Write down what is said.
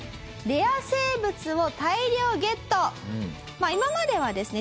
まあ今まではですね